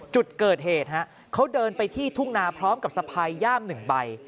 จุดเกิดเหตุเขาเดินไปที่ทุ่งนาพร้อมกับสะพายย่าม๑ใบ